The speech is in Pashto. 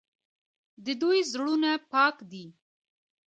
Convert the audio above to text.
د دوی زړونه پاک دي.